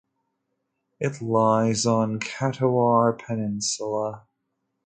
It lies on the Kathiawar peninsula.